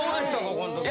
この時は。